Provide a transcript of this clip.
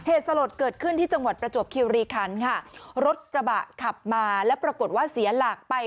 สลดเกิดขึ้นที่จังหวัดประจวบคิวรีคันค่ะรถกระบะขับมาแล้วปรากฏว่าเสียหลักไป